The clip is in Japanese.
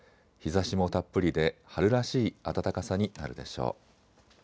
日ざしもたっぷりで春らしい暖かさになるでしょう。